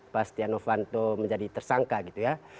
pas tia novanto menjadi tersangka gitu ya